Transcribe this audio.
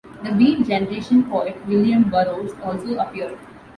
The Beat generation poet William Burroughs also appeared.